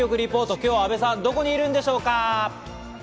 今日は阿部さん、どこにいるんでしょうか。